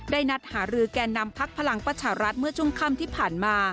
นัดหารือแก่นำพักพลังประชารัฐเมื่อช่วงค่ำที่ผ่านมา